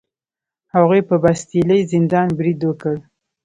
هغوی په باستیلي زندان برید وکړ.